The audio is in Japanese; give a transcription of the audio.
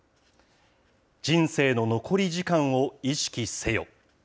人生の残り時間を意識せよ。